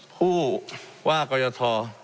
ผู้ว่ากรยท